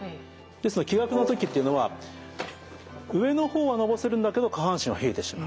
ですから気逆の時っていうのは上の方はのぼせるんだけど下半身は冷えてしまう。